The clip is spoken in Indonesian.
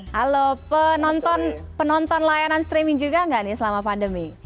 halo penonton layanan streaming juga nggak nih selama pandemi